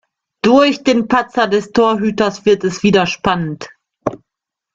Durch den Patzer des Torhüters wird es wieder spannend.